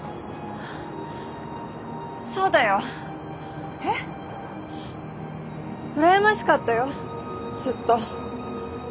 そうだよ。えっ？羨ましかったよずっと。